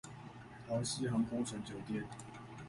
桃禧航空城酒店